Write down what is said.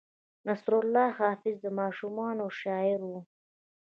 نصرالله حافظ د ماشومانو شاعر و.